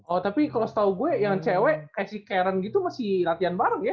oh tapi kalau setau gue yang cewe kayak si karen gitu masih latihan bareng ya